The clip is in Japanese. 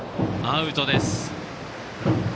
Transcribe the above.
アウトです。